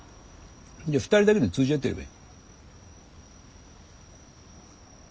じゃあ２人だけで通じ合ってればいい。